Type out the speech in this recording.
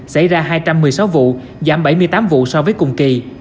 xảy ra hai trăm một mươi sáu vụ giảm bảy mươi tám vụ so với cùng kỳ